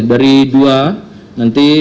dari dua nanti